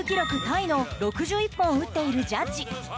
タイの６１本を打っているジャッジ。